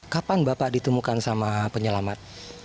kapan bapak ditemukan sama penyelamat